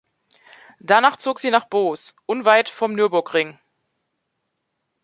Danach zog sie nach Boos, unweit vom Nürburgring.